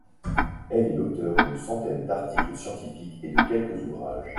Elle est l'auteur d'une centaine d'articles scientifiques et de quelques ouvrages.